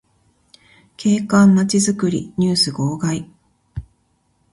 景観まちづくりニュース号外